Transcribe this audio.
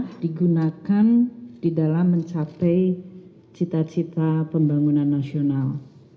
bisa digunakan di dalam mencapai cita cita pembangunan nasional